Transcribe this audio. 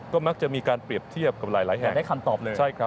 ก็มักจะมีการเปรียบเทียบกับหลายแห่งได้คำตอบเลย